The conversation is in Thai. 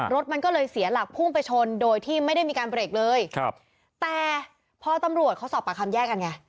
รถมันก็เลยเสียหลักพุ่งไปชนโดยที่ไม่ได้มีการเบรกเลยครับแต่พอตำรวจเขาสอบปากคำแยกกันไง